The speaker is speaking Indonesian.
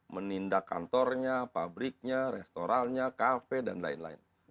menindak kantornya pabriknya restorannya kafe dan lain lain